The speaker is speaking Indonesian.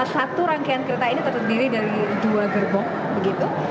satu rangkaian kereta ini tetap sendiri dari dua gerbong